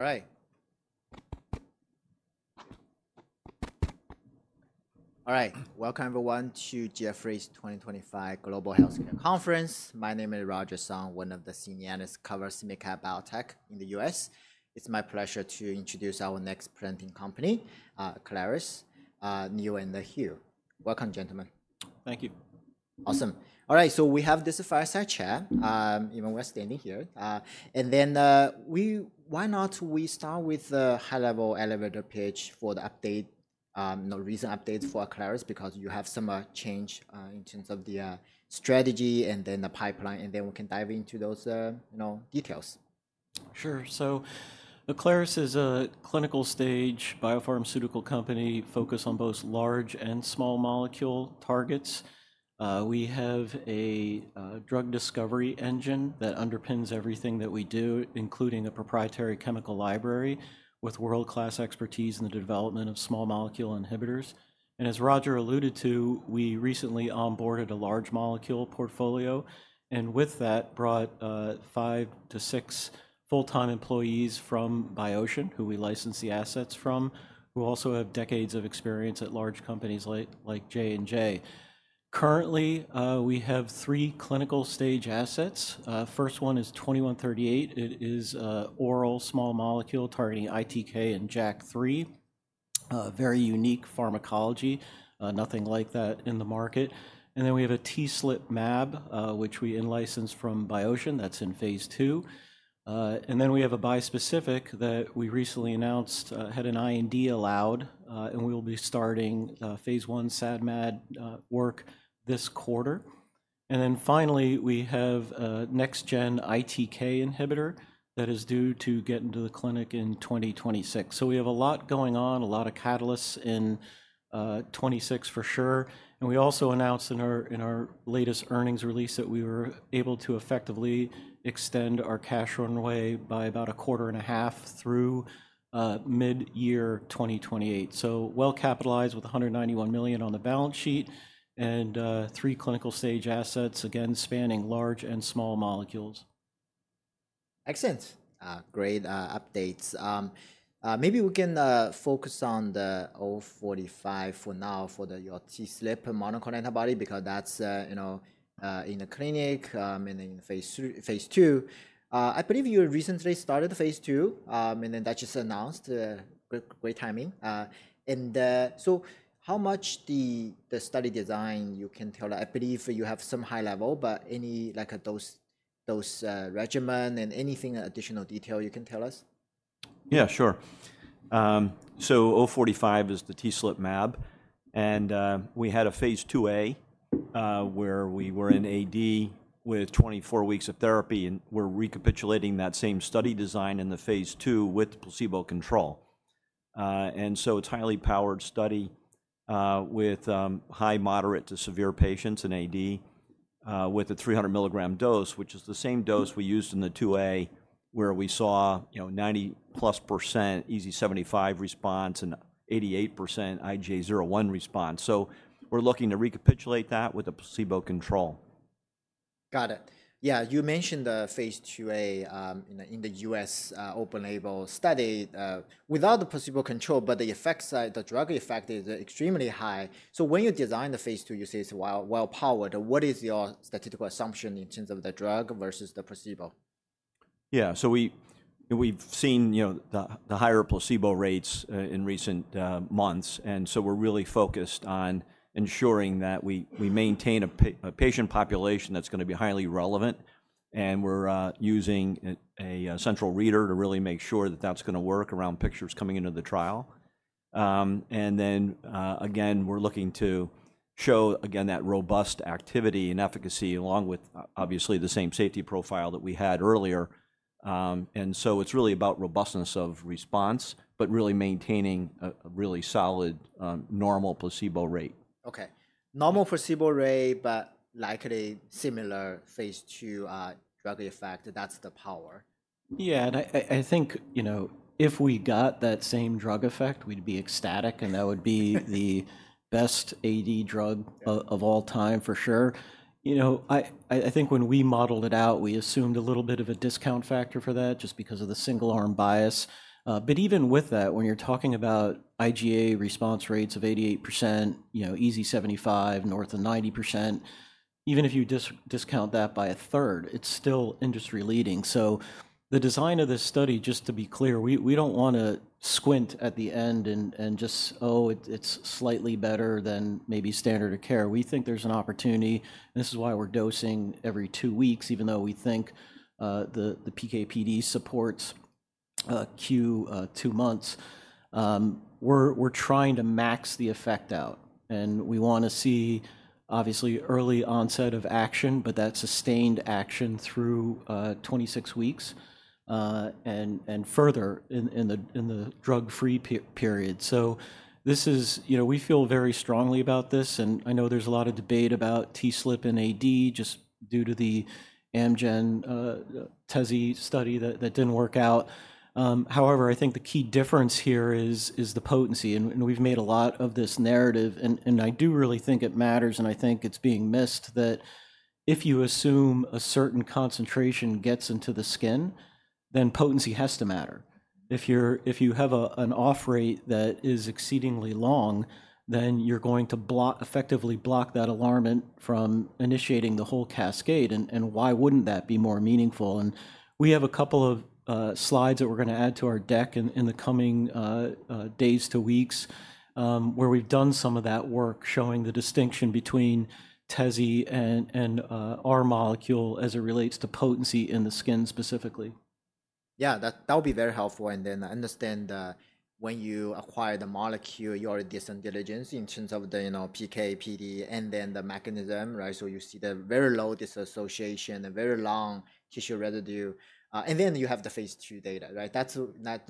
Right. All right. Welcome, everyone, to Jefferies 2025 Global Healthcare conference. My name is Roger Song, one of the senior analysts covering SMID-cap biotech in the U.S. It's my pleasure to introduce our next presenting company, Aclaris, Neal and Hugh. Welcome, gentlemen. Thank you. Awesome. All right. So we have this fireside chat, even while standing here. Why not we start with a high-level elevator pitch for the update, recent updates for Aclaris because you have some change in terms of the strategy and then the pipeline, and then we can dive into those details. Sure. Aclaris is a clinical-stage biopharmaceutical company focused on both large and small molecule targets. We have a drug discovery engine that underpins everything that we do, including a proprietary chemical library with world-class expertise in the development of small molecule inhibitors. As Roger alluded to, we recently onboarded a large molecule portfolio and with that brought five to six full-time employees from Biotion, who we licensed the assets from, who also have decades of experience at large companies like J&J. Currently, we have three clinical-stage assets. First one is 2138. It is an oral small molecule targeting ITK and JAK3, a very unique pharmacology, nothing like that in the market. We have a TSLP mAb, which we licensed from Biotion. That is in phase II. We have a bispecific that we recently announced had an IND allowed, and we will be starting phase I SAD/MAD work this quarter. Finally, we have a next-gen ITK inhibitor that is due to get into the clinic in 2026. We have a lot going on, a lot of catalysts in 2026 for sure. We also announced in our latest earnings release that we were able to effectively extend our cash runway by about a quarter and a half through mid-year 2028. We are well capitalized with $191 million on the balance sheet and three clinical stage assets, again, spanning large and small molecules. Excellent. Great updates. Maybe we can focus on the O45 for now for your TSLP monoclonal antibody because that's in the clinic and then in phase II. I believe you recently started phase II, and then that just announced. Great timing. How much the study design, you can tell us, I believe you have some high level, but any of those regimen and anything additional detail you can tell us? Yeah, sure. O45 is the TSLP mAb, and we had a phase II-A where we were in AD with 24 weeks of therapy, and we're recapitulating that same study design in the phase II with placebo control. It's a highly powered study with high, moderate to severe patients in AD with a 300 mg dose, which is the same dose we used in the II-A where we saw 90%+ EASI-75 response and 88% IGA 0/1 response. We're looking to recapitulate that with a placebo control. Got it. Yeah. You mentioned the phase II-A in the U.S. open-label study without the placebo control, but the effects, the drug effect is extremely high. When you design the phase II, you say it's well powered. What is your statistical assumption in terms of the drug versus the placebo? Yeah. We've seen the higher placebo rates in recent months, and we're really focused on ensuring that we maintain a patient population that's going to be highly relevant. We're using a central reader to really make sure that that's going to work around pictures coming into the trial. Then again, we're looking to show again that robust activity and efficacy along with obviously the same safety profile that we had earlier. It's really about robustness of response, but really maintaining a really solid normal placebo rate. Okay. Normal placebo rate, but likely similar phase IIdrug effect. That's the power. Yeah. I think if we got that same drug effect, we'd be ecstatic, and that would be the best AD drug of all time for sure. I think when we modeled it out, we assumed a little bit of a discount factor for that just because of the single arm bias. Even with that, when you're talking about IGA response rates of 88%, EASI-75 north of 90%, even if you discount that by a third, it's still industry leading. The design of this study, just to be clear, we don't want to squint at the end and just, oh, it's slightly better than maybe standard of care. We think there's an opportunity, and this is why we're dosing every two weeks, even though we think the PK/PD supports Q two months. We're trying to max the effect out, and we want to see obviously early onset of action, but that sustained action through 26 weeks and further in the drug-free period. We feel very strongly about this, and I know there's a lot of debate about TSLP in AD just due to the Amgen TEZE study that didn't work out. However, I think the key difference here is the potency. We've made a lot of this narrative, and I do really think it matters, and I think it's being missed that if you assume a certain concentration gets into the skin, then potency has to matter. If you have an off rate that is exceedingly long, then you're going to effectively block that alarm from initiating the whole cascade, and why wouldn't that be more meaningful? We have a couple of slides that we're going to add to our deck in the coming days to weeks where we've done some of that work showing the distinction between TEZE and our molecule as it relates to potency in the skin specifically. Yeah, that'll be very helpful. I understand when you acquire the molecule, you already did some diligence in terms of the PK/PD and then the mechanism, right? You see the very low dissociation, a very long tissue residue. You have the phase II data, right? That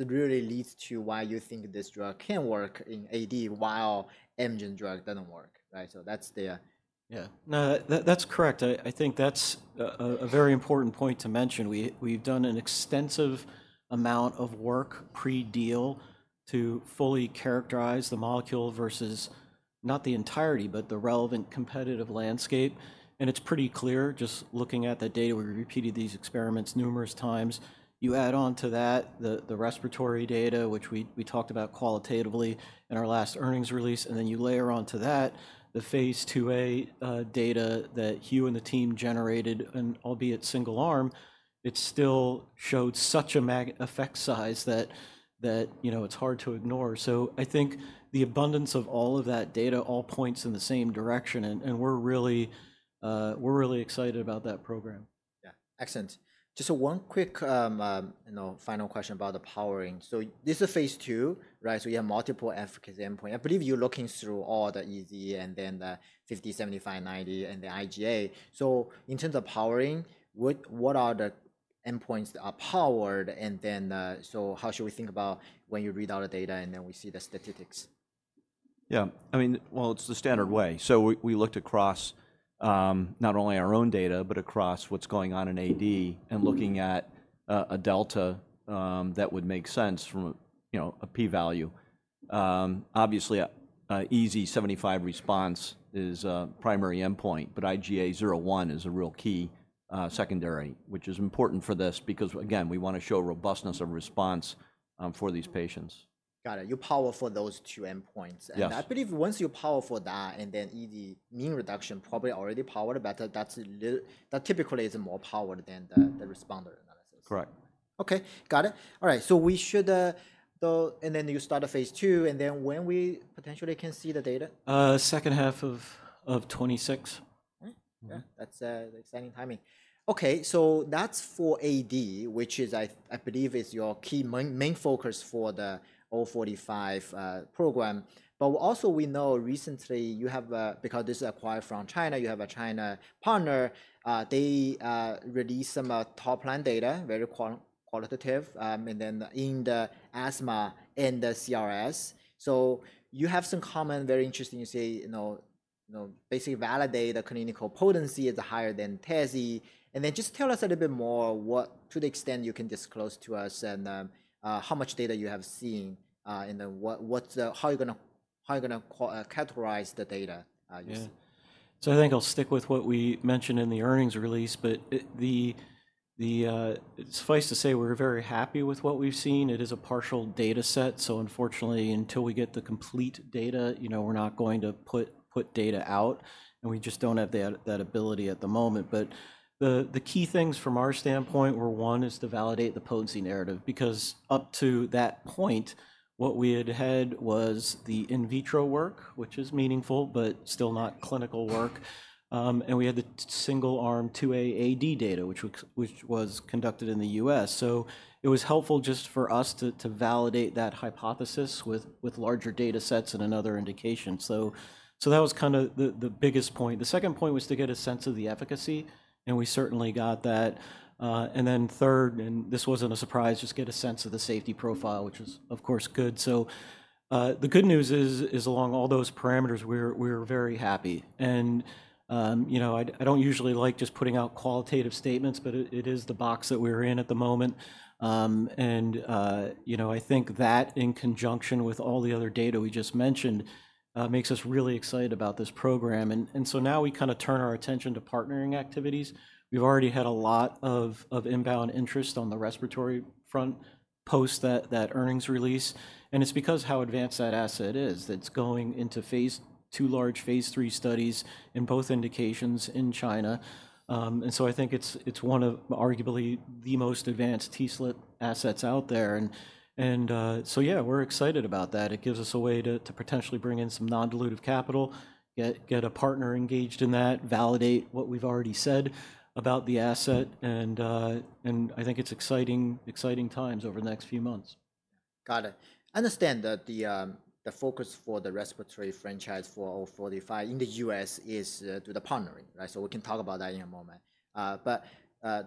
really leads to why you think this drug can work in AD while Amgen drug does not work, right? That is there. Yeah. No, that's correct. I think that's a very important point to mention. We've done an extensive amount of work pre-deal to fully characterize the molecule versus not the entirety, but the relevant competitive landscape. It's pretty clear just looking at the data. We repeated these experiments numerous times. You add on to that the respiratory data, which we talked about qualitatively in our last earnings release, and you layer onto that the phase II-A data that Hugh and the team generated, and albeit single arm, it still showed such an effect size that it's hard to ignore. I think the abundance of all of that data all points in the same direction, and we're really excited about that program. Yeah. Excellent. Just one quick final question about the powering. This is phase II, right? You have multiple efficacy endpoints. I believe you're looking through all the EASI and then the 50, 75, 90, and the IGA. In terms of powering, what are the endpoints that are powered? How should we think about when you read all the data and then we see the statistics? Yeah. I mean, it's the standard way. We looked across not only our own data, but across what's going on in AD and looking at a delta that would make sense from a p-value. Obviously, EASI-75 response is a primary endpoint, but IGA 0/1 is a real key secondary, which is important for this because, again, we want to show robustness of response for these patients. Got it. You power for those two endpoints. Yes. I believe once you power for that and then EASI mean reduction probably already powered better, that typically is more powered than the responder analysis. Correct. Okay. Got it. All right. We should, and then you start phase II, and then when we potentially can see the data? Second half of 2026. Yeah. That's an exciting timing. Okay. So that's for AD, which I believe is your key main focus for the O45 program. Also, we know recently you have, because this is acquired from China, you have a China partner. They released some top line data, very qualitative, in the asthma and the CRS. You have some common, very interesting, you say, basically validate the clinical potency is higher than TEZE. Just tell us a little bit more to the extent you can disclose to us and how much data you have seen and how you're going to categorize the data. I think I'll stick with what we mentioned in the earnings release, but suffice to say, we're very happy with what we've seen. It is a partial data set. Unfortunately, until we get the complete data, we're not going to put data out, and we just don't have that ability at the moment. The key things from our standpoint were one is to validate the potency narrative because up to that point, what we had had was the in vitro work, which is meaningful, but still not clinical work. We had the single arm phase II-A AD data, which was conducted in the U.S. It was helpful just for us to validate that hypothesis with larger data sets and another indication. That was kind of the biggest point. The second point was to get a sense of the efficacy, and we certainly got that. Third, and this was not a surprise, just get a sense of the safety profile, which is of course good. The good news is along all those parameters, we are very happy. I do not usually like just putting out qualitative statements, but it is the box that we are in at the moment. I think that in conjunction with all the other data we just mentioned makes us really excited about this program. Now we kind of turn our attention to partnering activities. We have already had a lot of inbound interest on the respiratory front post that earnings release. It is because of how advanced that asset is that it is going into phaseII large phase III studies in both indications in China. I think it is one of arguably the most advanced TSLP assets out there. We are excited about that. It gives us a way to potentially bring in some non-dilutive capital, get a partner engaged in that, validate what we've already said about the asset. I think it's exciting times over the next few months. Got it. I understand that the focus for the respiratory franchise for O45 in the U.S is to the partnering, right? We can talk about that in a moment.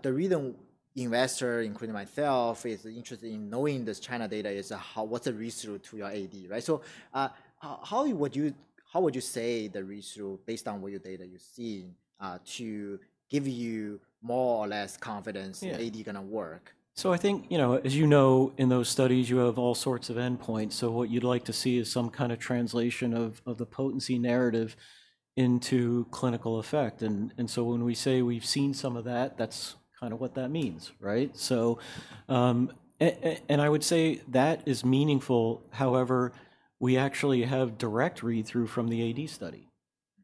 The reason investors, including myself, are interested in knowing this China data is what's the reason to your AD, right? How would you say the reason based on what your data you've seen to give you more or less confidence in AD going to work? I think, as you know, in those studies, you have all sorts of endpoints. What you'd like to see is some kind of translation of the potency narrative into clinical effect. When we say we've seen some of that, that's kind of what that means, right? I would say that is meaningful. However, we actually have direct read-through from the AD study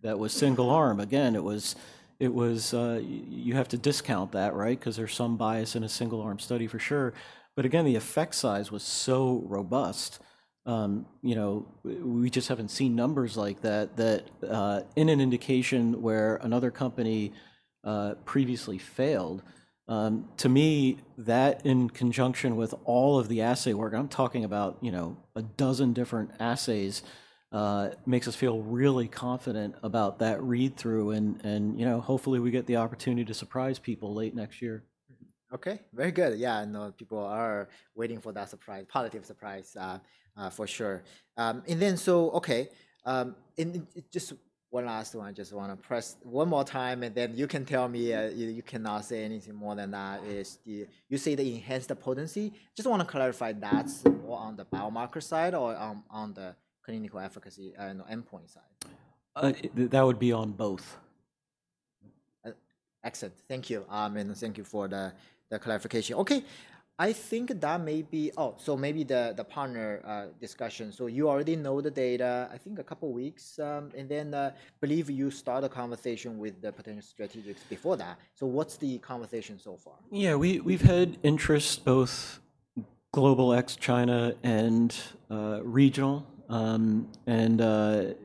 that was single arm. Again, you have to discount that, right? Because there's some bias in a single arm study for sure. Again, the effect size was so robust. We just haven't seen numbers like that in an indication where another company previously failed. To me, that in conjunction with all of the assay work, I'm talking about a dozen different assays, makes us feel really confident about that read-through. Hopefully we get the opportunity to surprise people late next year. Okay. Very good. Yeah. I know people are waiting for that surprise, positive surprise for sure. And just one last one. I just want to press one more time, and then you can tell me you cannot say anything more than that. You say the enhanced potency. Just want to clarify that's more on the biomarker side or on the clinical efficacy endpoint side? That would be on both. Excellent. Thank you. Thank you for the clarification. Okay. I think that may be, oh, maybe the partner discussion. You already know the data, I think a couple of weeks, and then I believe you start a conversation with the potential strategics before that. What's the conversation so far? Yeah. We've had interest both global ex-China and regional. And that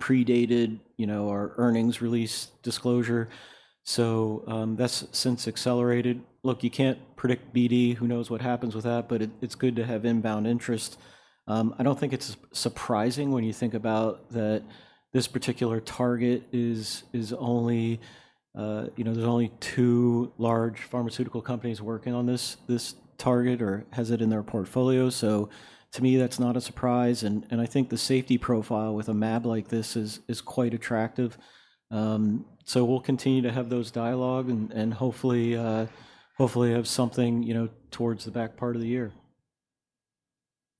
predated our earnings release disclosure. That's since accelerated. Look, you can't predict BD. Who knows what happens with that, but it's good to have inbound interest. I don't think it's surprising when you think about that this particular target is only, there's only two large pharmaceutical companies working on this target or has it in their portfolio. To me, that's not a surprise. I think the safety profile with a mAb like this is quite attractive. We'll continue to have those dialogue and hopefully have something towards the back part of the year.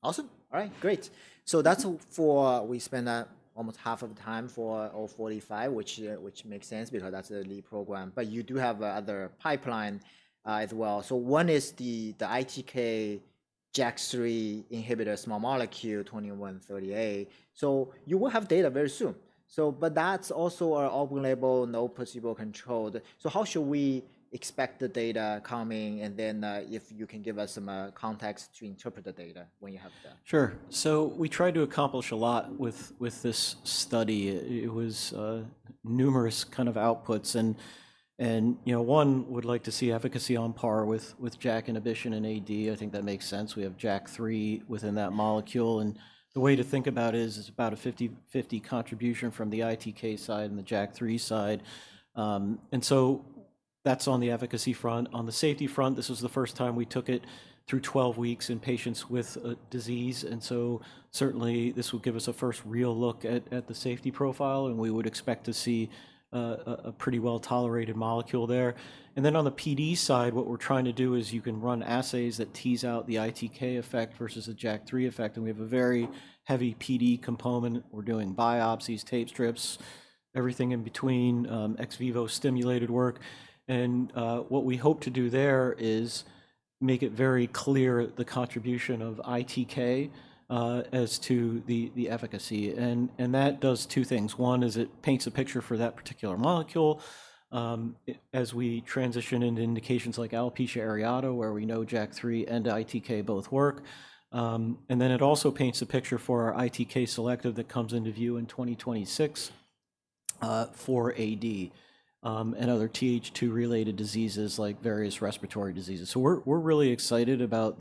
Awesome. All right. Great. That is for we spent almost half of the time for O45, which makes sense because that is the lead program. You do have other pipeline as well. One is the ITK JAK3 inhibitor small molecule 2138. You will have data very soon. That is also open label, no placebo controlled. How should we expect the data coming? If you can give us some context to interpret the data when you have that. Sure. We tried to accomplish a lot with this study. It was numerous kind of outputs. One would like to see efficacy on par with JAK inhibition in AD. I think that makes sense. We have JAK3 within that molecule. The way to think about it is it's about a 50/50 contribution from the ITK side and the JAK3 side. That's on the efficacy front. On the safety front, this was the first time we took it through 12 weeks in patients with disease. Certainly this will give us a first real look at the safety profile, and we would expect to see a pretty well-tolerated molecule there. On the PD side, what we're trying to do is you can run assays that tease out the ITK effect versus the JAK3 effect. We have a very heavy PD component. We're doing biopsies, tape strips, everything in between, ex vivo stimulated work. What we hope to do there is make it very clear the contribution of ITK as to the efficacy. That does two things. One is it paints a picture for that particular molecule as we transition into indications like alopecia areata, where we know JAK3 and ITK both work. It also paints a picture for our ITK selective that comes into view in 2026 for AD and other TH2-related diseases like various respiratory diseases. We're really excited about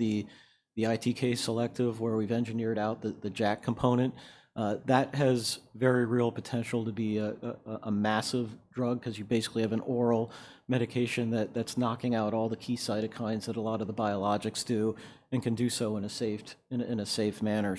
the ITK selective where we've engineered out the JAK component. That has very real potential to be a massive drug because you basically have an oral medication that's knocking out all the key cytokines that a lot of the biologics do and can do so in a safe manner.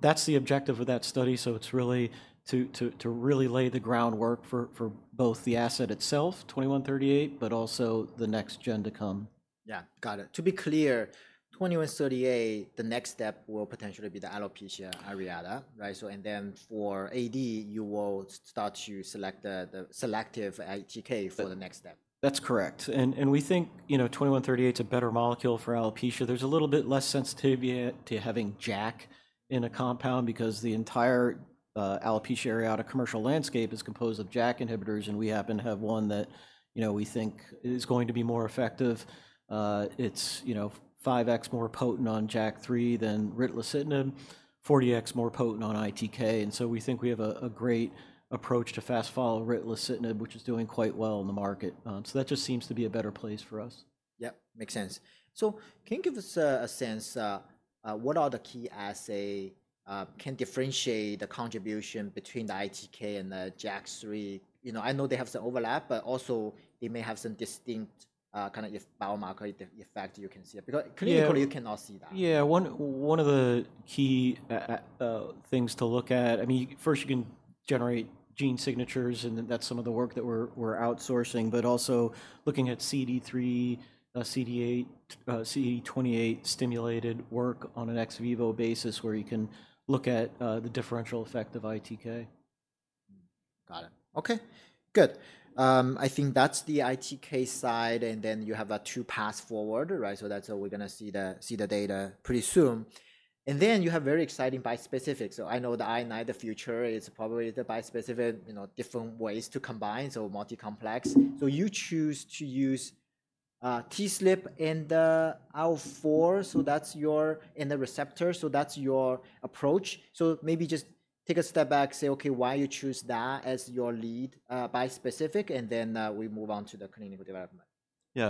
That's the objective of that study. It's really to really lay the groundwork for both the asset itself, 2138, but also the next gen to come. Yeah. Got it. To be clear, 2138, the next step will potentially be the alopecia areata, right? And then for AD, you will start to select the selective ITK for the next step. That's correct. We think 2138 is a better molecule for alopecia. There's a little bit less sensitivity to having JAK in a compound because the entire alopecia areata commercial landscape is composed of JAK inhibitors. We happen to have one that we think is going to be more effective. It's 5x more potent on JAK3 than ritlecitinib, 40x more potent on ITK. We think we have a great approach to fast-follow ritlecitinib, which is doing quite well in the market. That just seems to be a better place for us. Yep. Makes sense. Can you give us a sense what are the key assays that can differentiate the contribution between the ITK and the JAK3? I know they have some overlap, but also it may have some distinct kind of biomarker effect you can see because clinically you cannot see that. Yeah. One of the key things to look at, I mean, first you can generate gene signatures, and that's some of the work that we're outsourcing, but also looking at CD3, CD8, CD28 stimulated work on an ex vivo basis where you can look at the differential effect of ITK. Got it. Okay. Good. I think that's the ITK side, and then you have that two paths forward, right? That's how we're going to see the data pretty soon. You have very exciting bispecifics. I know the INI, the future, it's probably the bispecific, different ways to combine, multi-complex. You choose to use TSLP and the O4, so that's your, and the receptor, that's your approach. Maybe just take a step back, say, okay, why you choose that as your lead bispecific, and then we move on to the clinical development. Yeah.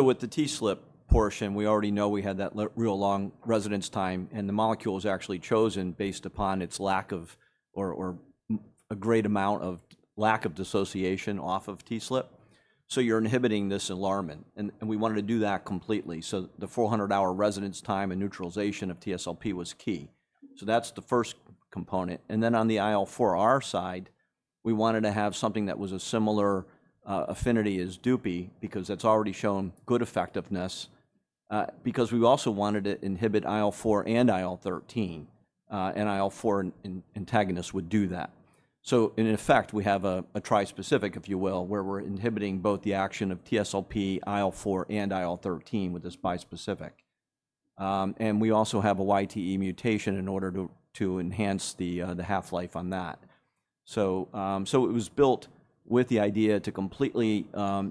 With the TSLP portion, we already know we had that real long residence time, and the molecule is actually chosen based upon its lack of or a great amount of lack of dissociation off of TSLP. You are inhibiting this environment, and we wanted to do that completely. The 400-hour residence time and neutralization of TSLP was key. That is the first component. On the IL-4R side, we wanted to have something that was a similar affinity as DUPI because that has already shown good effectiveness because we also wanted to inhibit IL-4 and IL-13, and IL-4 antagonists would do that. In effect, we have a trispecific, if you will, where we are inhibiting both the action of TSLP, IL-4, and IL-13 with this bispecific. We also have a YTE mutation in order to enhance the half-life on that. It was built with the idea to completely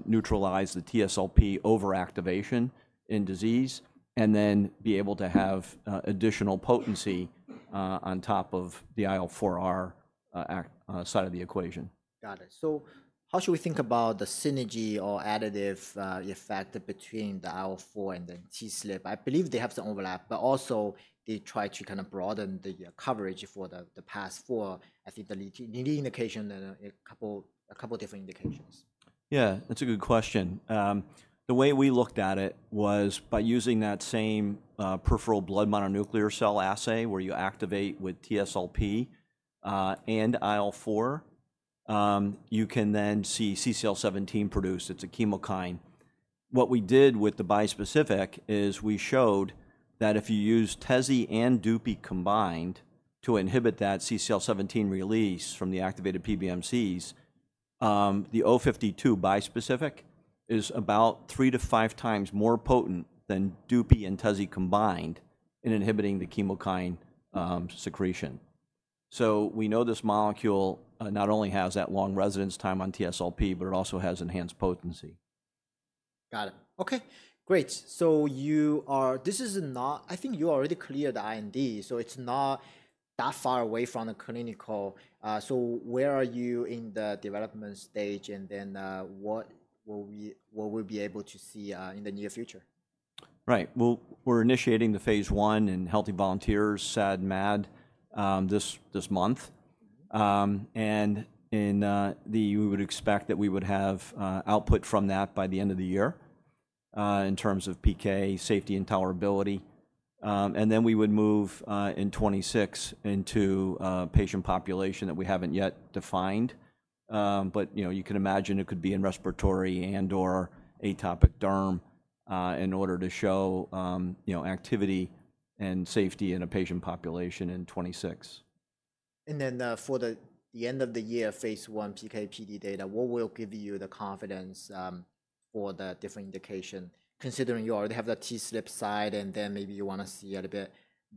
neutralize the TSLP overactivation in disease and then be able to have additional potency on top of the IL-4R side of the equation. Got it. How should we think about the synergy or additive effect between the IL-4 and the TSLP? I believe they have some overlap, but also they try to kind of broaden the coverage for the past four, I think the lead indication and a couple of different indications. Yeah. That's a good question. The way we looked at it was by using that same peripheral blood mononuclear cell assay where you activate with TSLP and IL-4, you can then see CCL17 produced. It's a chemokine. What we did with the bispecific is we showed that if you use TEZE and DUPI combined to inhibit that CCL17 release from the activated PBMCs, the O52 bispecific is about 3x-5x more potent than DUPI and TEZE combined in inhibiting the chemokine secretion. We know this molecule not only has that long residence time on TSLP, but it also has enhanced potency. Got it. Okay. Great. This is not, I think you already cleared the IND, so it's not that far away from the clinical. Where are you in the development stage and then what will we be able to see in the near future? Right. We're initiating the phase I in healthy volunteers, SAD, MAD this month. We would expect that we would have output from that by the end of the year in terms of PK, safety, and tolerability. We would move in 2026 into a patient population that we haven't yet defined. You can imagine it could be in respiratory and/or atopic derm in order to show activity and safety in a patient population in 2026. For the end of the year, phase I PK/PD data, what will give you the confidence for the different indication considering you already have the TSLP side and then maybe you want to see a little bit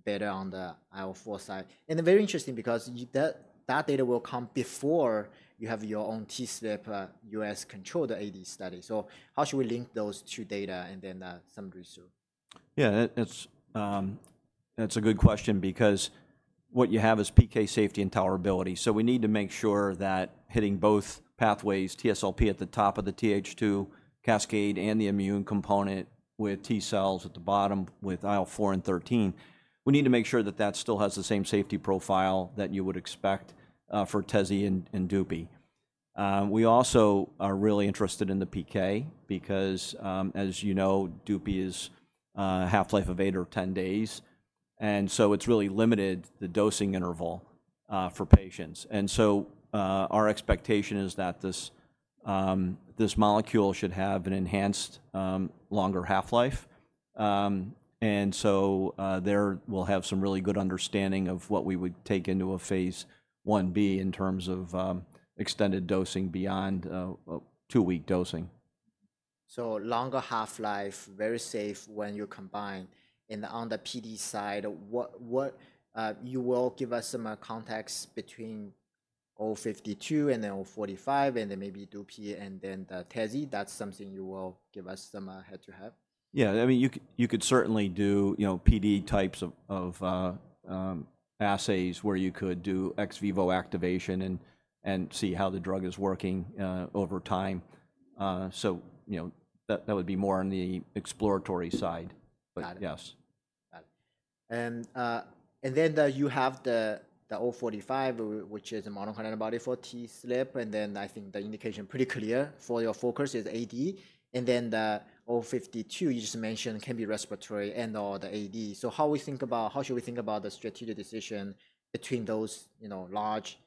better on the IL-4 side? It is very interesting because that data will come before you have your own TSLP U.S.-controlled AD study. How should we link those two data and then summary soon? Yeah. That's a good question because what you have is PK, safety, and tolerability. We need to make sure that hitting both pathways, TSLP at the top of the TH2 cascade and the immune component with T cells at the bottom with IL-4 and 13, we need to make sure that that still has the same safety profile that you would expect for TEZE and DUPI. We also are really interested in the PK because, as you know, DUPI is half-life of 8 or 10 days. It really limited the dosing interval for patients. Our expectation is that this molecule should have an enhanced, longer half-life. There, we'll have some really good understanding of what we would take into a phase 1B in terms of extended dosing beyond two-week dosing. Longer half-life, very safe when you combine. On the PD side, you will give us some context between O52 and then O45 and then maybe DUPI and then the TEZE. That is something you will give us some head to head? Yeah. I mean, you could certainly do PD types of assays where you could do ex vivo activation and see how the drug is working over time. That would be more on the exploratory side. Yes. Got it. And then you have the O45, which is a monoclonal antibody for TSLP. And then I think the indication pretty clear for your focus is AD. And then the O52 you just mentioned can be respiratory and/or the AD. So how we think about, how should we think about the strategic decision between those large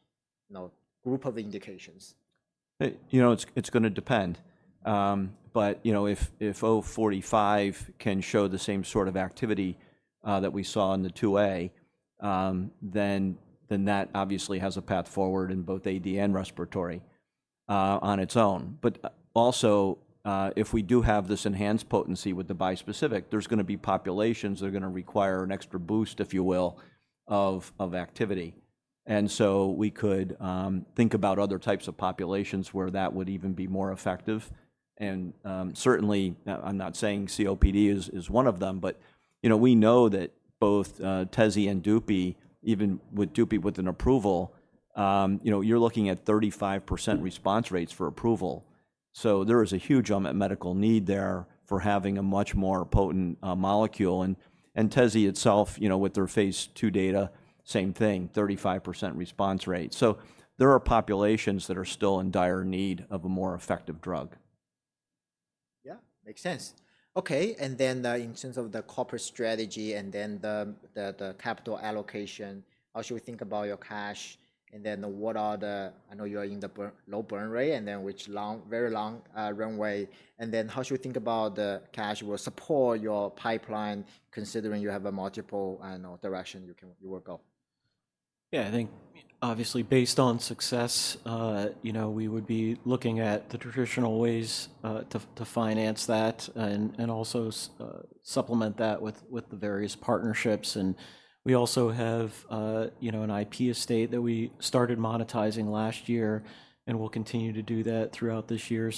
group of indications? It's going to depend. If O45 can show the same sort of activity that we saw in the II-A, then that obviously has a path forward in both AD and respiratory on its own. Also, if we do have this enhanced potency with the bispecific, there's going to be populations that are going to require an extra boost, if you will, of activity. We could think about other types of populations where that would even be more effective. Certainly, I'm not saying COPD is one of them, but we know that both TEZE and DUPI, even with DUPI with an approval, you're looking at 35% response rates for approval. There is a huge unmet medical need there for having a much more potent molecule. TEZE itself, with their phase II data, same thing, 35% response rate. There are populations that are still in dire need of a more effective drug. Yeah. Makes sense. Okay. In terms of the corporate strategy and then the capital allocation, how should we think about your cash? What are the, I know you're in the low burn rate and then with a very long runway. How should we think about the cash will support your pipeline considering you have multiple directions you will go? Yeah. I think obviously based on success, we would be looking at the traditional ways to finance that and also supplement that with the various partnerships. We also have an IP estate that we started monetizing last year and will continue to do that throughout this year.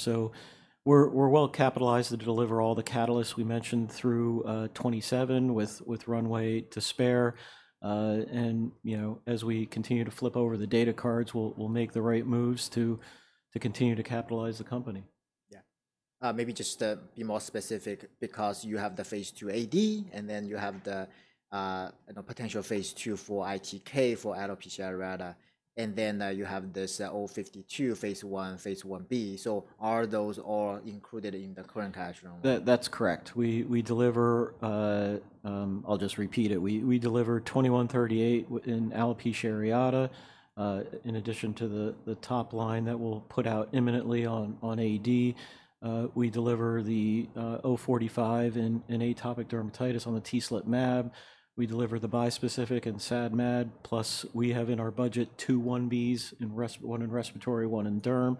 We are well capitalized to deliver all the catalysts we mentioned through 2027 with runway to spare. As we continue to flip over the data cards, we will make the right moves to continue to capitalize the company. Yeah. Maybe just to be more specific because you have the phase II AD and then you have the potential phase III for ITK for alopecia areata. And then you have this O52 phase I, phase I-B. Are those all included in the current cash runway? That's correct. I'll just repeat it. We deliver 2138 in alopecia areata in addition to the top line that we'll put out imminently on AD. We deliver the O45 in atopic dermatitis on the TSLP mAb. We deliver the bispecific in SAD, MAD, plus we have in our budget two 1Bs, one in respiratory, one in derm,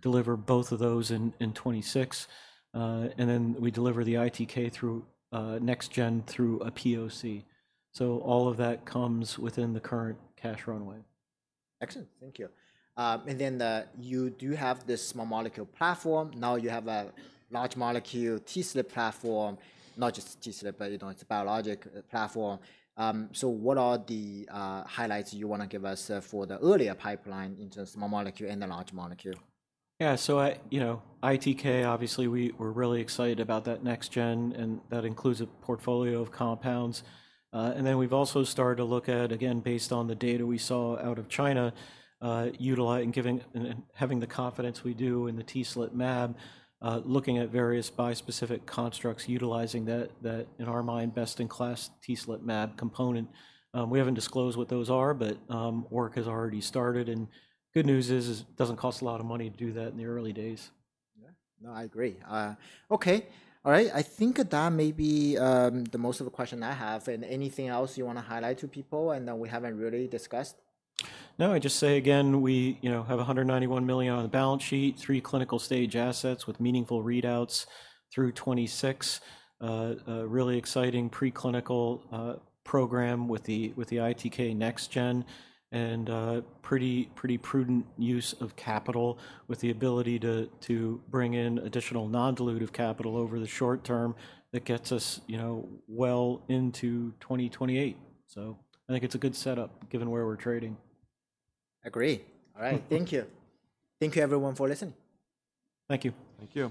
deliver both of those in 2026. We deliver the ITK through next gen through a POC. All of that comes within the current cash runway. Excellent. Thank you. You do have this small molecule platform. Now you have a large molecule TSLP platform, not just TSLP, but it is a biologic platform. What are the highlights you want to give us for the earlier pipeline into small molecule and the large molecule? Yeah. ITK, obviously we're really excited about that next gen and that includes a portfolio of compounds. Then we've also started to look at, again, based on the data we saw out of China, having the confidence we do in the TSLP mAb, looking at various bispecific constructs utilizing that, in our mind, best-in-class TSLP mAb component. We haven't disclosed what those are, but work has already started. The good news is it doesn't cost a lot of money to do that in the early days. Yeah. No, I agree. Okay. All right. I think that may be most of the questions I have. Anything else you want to highlight to people that we haven't really discussed? No, I just say again, we have $191 million on the balance sheet, three clinical stage assets with meaningful readouts through 2026, a really exciting preclinical program with the ITK next gen and pretty prudent use of capital with the ability to bring in additional non-dilutive capital over the short term that gets us well into 2028. I think it's a good setup given where we're trading. Agree. All right. Thank you. Thank you, everyone, for listening. Thank you. Thank you.